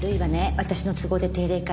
私の都合で定例会